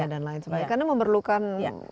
dan lain sebagainya karena memerlukan